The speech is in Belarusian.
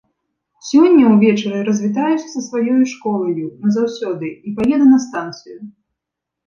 Сёння ўвечары развітаюся з сваёю школаю назаўсёды і паеду на станцыю.